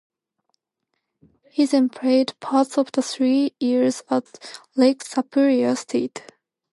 He then played parts of three years at Lake Superior State.